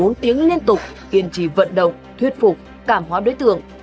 sau gần bốn tiếng liên tục kiên trì vận động thuyết phục cảm hóa đối tượng